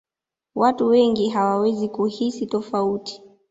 watu wengi hawawezi kuhisi tofauti